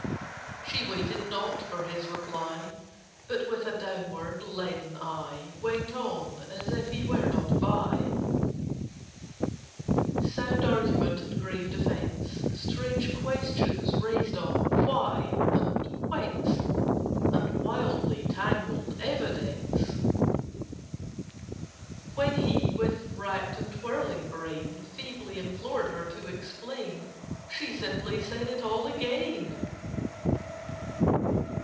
She waited not for his reply, But with a downward leaden eye Went on as if he were not by Sound argument and grave defence, Strange questions raised on "Why?" and "Whence?" And wildly tangled evidence. When he, with racked and whirling brain, Feebly implored her to explain, She simply said it all again.